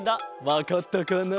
わかったかな？